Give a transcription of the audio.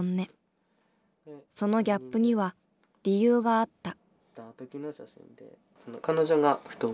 そのギャップには理由があった。